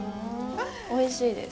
おいしいです。